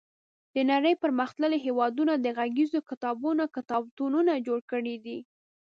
د نړۍ پرمختللي هېوادونو د غږیزو کتابونو کتابتونونه جوړ کړي دي.